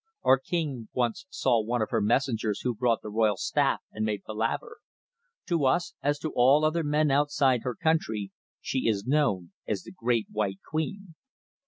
Our king once saw one of her messengers who brought the royal staff and made palaver. To us, as to all other men outside her country, she is known as the Great White Queen."